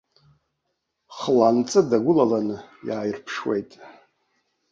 Хланҵы дагәылаланы иааирԥшуеит.